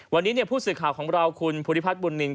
วันนี้ผู้สื่อข่าวของเราคุณภูริพัฒนบุญนิน